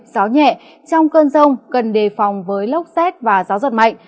gió nhẹ trong cơn rông cần đề phòng với lốc xét và gió giật mạnh